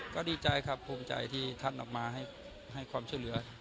ก็ดีใจครับภูมิใจที่ท่านออกมาให้ความช่วยเหลือ